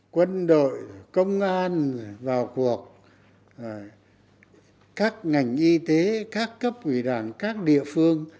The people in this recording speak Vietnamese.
quân đội công an vào cuộc các ngành y tế các cấp quỷ đoàn các địa phương